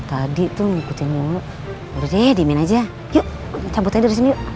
kamu mau ber journalismeng tik snap ya otra pun